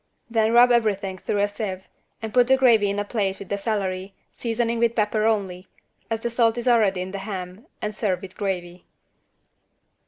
Then rub everything through a sieve and put the gravy in a plate with the celery, seasoning with pepper only, as the salt is already in the ham and serve with the gravy.